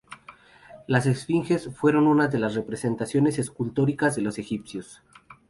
Las esfinges fueron una de las representaciones escultóricas de los egipcios.